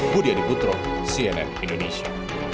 budi adibutro cnn indonesia